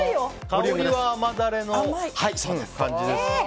香りは甘ダレの感じですね。